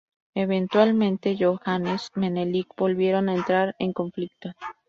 Eventualmente Yohannes y Menelik volvieron a entrar en conflicto.